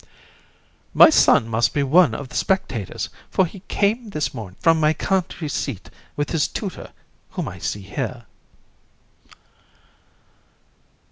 COUN. My son the Count must be one of the spectators, for he came this morning from my country seat, with his tutor, whom I see here.